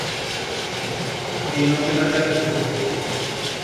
Tiengo que dallar estes blez.